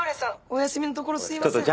お休みのところすいません！